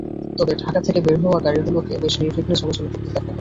তবে ঢাকা থেকে বের হওয়া গাড়িগুলোকে বেশ নির্বিঘ্নে চলাচল করতে দেখা গেছে।